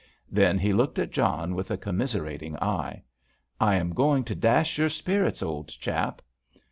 Then he looked at John with a commiserating eye: "I am going to dash your spirits, old chap."